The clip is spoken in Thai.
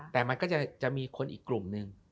แต่มันก็จะมีคนอีกกลุ่มหนึ่ง